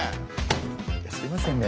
いやすいませんね。